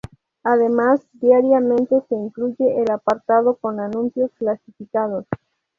Además, diariamente se incluye el apartado con anuncios clasificados.